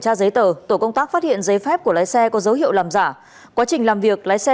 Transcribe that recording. tra giấy tờ tổ công tác phát hiện giấy phép của lái xe có dấu hiệu làm giả quá trình làm việc lái xe